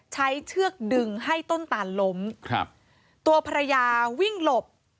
เชือกดึงให้ต้นตาลล้มครับตัวภรรยาวิ่งหลบ